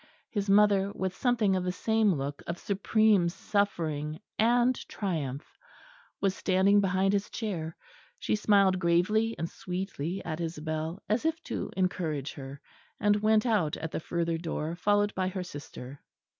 His mother, with something of the same look of supreme suffering and triumph, was standing behind his chair. She smiled gravely and sweetly at Isabel, as if to encourage her; and went out at the further door, followed by her sister.